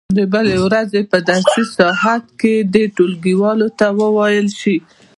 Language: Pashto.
د بلې ورځې په درسي ساعت کې دې ټولګیوالو ته وویل شي.